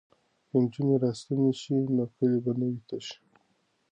که نجونې راستنې شي نو کلی به نه وي تش.